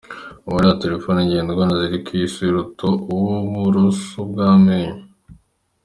Umubare wa Telefoni ngendanwa ziri ku isi uruta uw’uburoso bw’amenyo.